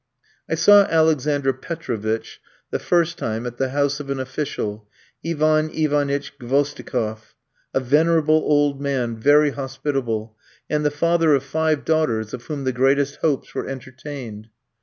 I saw Alexander Petrovitch the first time at the house of an official, Ivan Ivanitch Gvosdikof, a venerable old man, very hospitable, and the father of five daughters, of whom the greatest hopes were entertained.